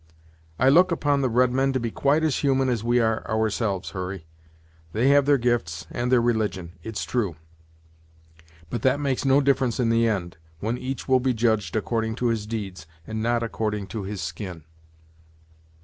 "I look upon the redmen to be quite as human as we are ourselves, Hurry. They have their gifts, and their religion, it's true; but that makes no difference in the end, when each will be judged according to his deeds, and not according to his skin."